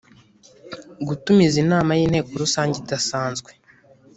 gutumiza inama y inteko rusange idasanzwe